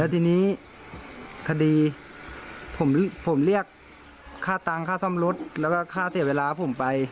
ทีนี้คดีผมเรียกค่าตังค่าซ่อมรถแล้วก็ค่าเสียเวลาผมไป